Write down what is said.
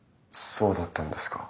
そうだったんですか。